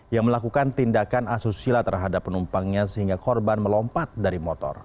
yang melakukan tindakan asusila terhadap penumpangnya sehingga korban melompat dari motor